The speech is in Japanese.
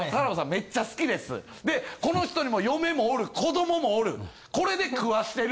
めっちゃ好きです」でこの人にも嫁もおる子どももおるこれで食わしてる。